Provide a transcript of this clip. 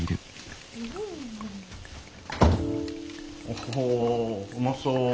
おうまそう。